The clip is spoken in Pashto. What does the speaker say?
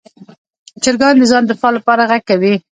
چرګان د ځان دفاع لپاره غږ کوي.